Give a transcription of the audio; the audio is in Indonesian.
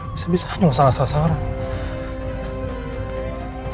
bisa bisa hanya masalah sasaran